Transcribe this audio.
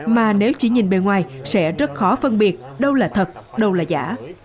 mà nếu chỉ nhìn bề ngoài sẽ rất khó phân biệt đâu là thật đâu là giả